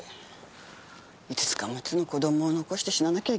５つか６つの子供を残して死ななきゃいけなかったんだもの。